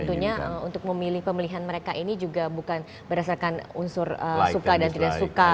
dan tentunya untuk memilih pemilihan mereka ini juga bukan berdasarkan unsur suka dan tidak suka